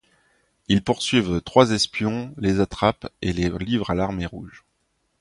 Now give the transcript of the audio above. Ils poursuivent trois espions, les attrapent et les livrent à l'Armée rouge.